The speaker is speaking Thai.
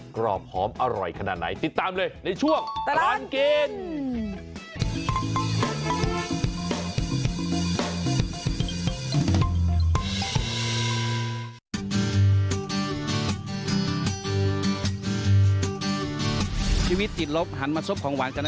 กรอบหอมอร่อยขนาดไหนติดตามเลยในช่วงตลอดกิน